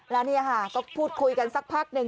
แล้วนี่ค่ะก็พูดคุยกันสักพักหนึ่ง